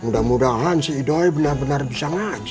mudah mudahan si idoy benar benar bisa ngaji